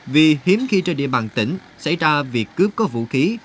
vì hiếm khi trên địa bàn tỉnh xảy ra việc cướp có vũ khí